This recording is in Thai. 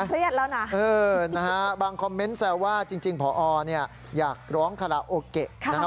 ครูเครียดใช่ไหมนะฮะบางคอมเม้นต์แซว่าจริงผอเนี่ยอยากร้องคาราโอเกะ